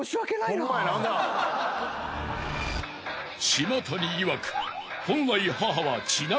［島谷いわく］